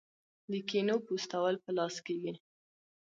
د کینو پوستول په لاس کیږي.